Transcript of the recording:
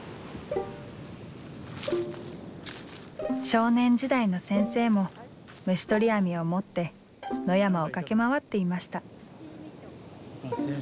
少年時代の先生も虫捕り網を持って野山を駆け回っていました。